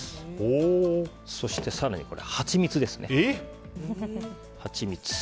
そして、更にハチミツです。